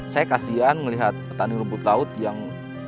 saya kasian melihat petani rumput laut yang